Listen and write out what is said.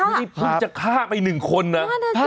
นี่เพิ่งจะฆ่าไป๑คนนะ